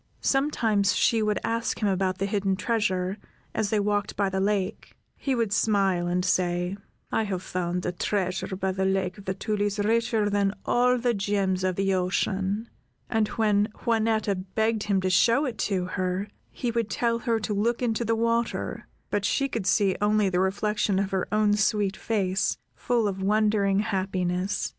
Sometimes she would ask him about the hidden treasure, as they walked by the lake; he would smile and say, "I have found a treasure by the Lake of the Tulies richer than all the gems of the ocean," and when Juanetta begged him to show it to her, he would tell, her to look into the water; but she could see only the reflection of her own sweet face, full of wondering happiness.